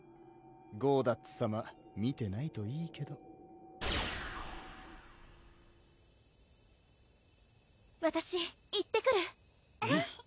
ゴーダッツさま見てないといいけどわたし行ってくるうん